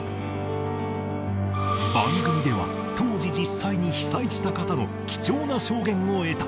番組では当時実際に被災した方の貴重な証言を得た